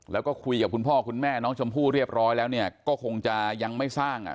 แล้วก็คุยกับคุณพ่อคุณแม่น้องชมพู่เรียบร้อยแล้วเนี่ยก็คงจะยังไม่สร้างอ่ะ